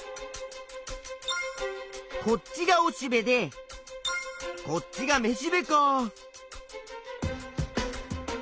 こっちがおしべでこっちがめしべか。